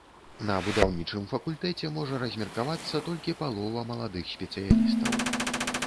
На будаўнічым факультэце можа размеркавацца толькі палова маладых спецыялістаў.